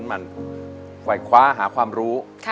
ไหว้คว้าหาความรู้